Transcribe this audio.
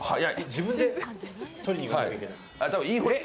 自分で取りに行かないといけない。